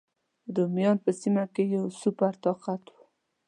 رومیان په سیمه کې یو سوپر طاقت و.